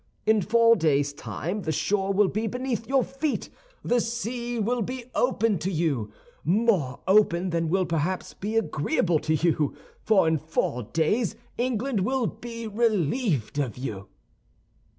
In four days' time the shore will be beneath your feet, the sea will be open to you—more open than will perhaps be agreeable to you, for in four days England will be relieved of you."